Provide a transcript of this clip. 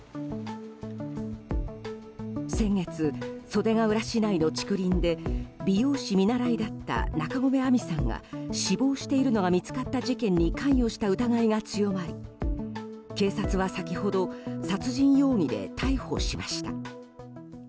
先月、袖ケ浦市内の竹林で美容師見習だった中込愛美さんが死亡しているのが見つかった事件に関与した疑いが強まり警察は先ほど殺人容疑で逮捕しました。